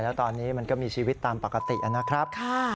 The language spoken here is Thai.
แล้วตอนนี้มันก็มีชีวิตตามปกตินะครับ